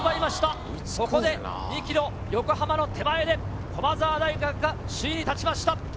そこで、２キロ、横浜の手前で、駒澤大学が首位に立ちました。